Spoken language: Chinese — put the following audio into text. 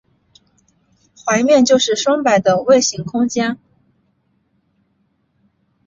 环面就是双摆的位形空间。